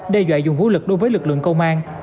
đe dọa dùng vũ lực đối với lực lượng công an